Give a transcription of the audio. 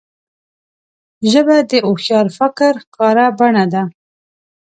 ژبه د هوښیار فکر ښکاره بڼه ده